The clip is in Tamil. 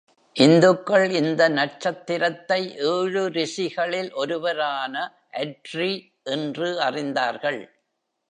இந்துக்கள் இந்த நட்சத்திரத்தை ஏழு ரிஷிகளில் ஒருவரான "அட்ரி" என்று அறிந்தார்கள்.